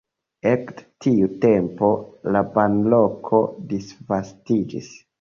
Ekde tiu tempo la banloko disvastiĝis.